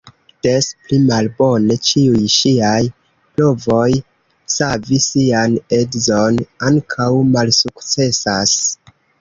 Des pli malbone, ĉiuj ŝiaj provoj savi sian edzon ankaŭ malsukcesas.